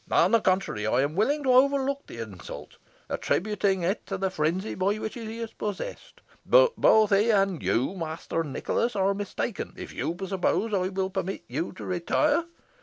On the contrary, I am willing to overlook the insult, attributing it to the frenzy by which he is possessed. But both he and you, Master Nicholas, are mistaken if you suppose I will permit you to retire.